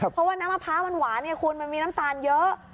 เพราะว่าน้ำมะพร้าวมันหวานไงคุณมันมีน้ำตาลเยอะ